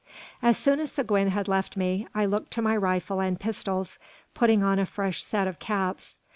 As soon as Seguin had left me, I looked to my rifle and pistols, putting on a fresh set of caps.